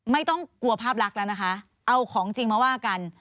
ไม่ต้องกลัวภาพลักษณ์แล้วนะคะเอาของจริงมาว่ากัน